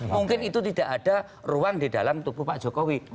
mungkin itu tidak ada ruang di dalam tubuh pak jokowi